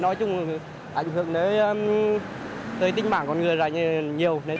nói chung là ảnh hưởng tới tinh bản của người ra nhiều